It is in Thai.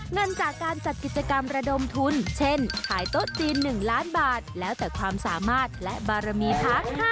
เงินจากการจัดกิจกรรมระดมทุนเช่นขายโต๊ะจีน๑ล้านบาทแล้วแต่ความสามารถและบารมีพัก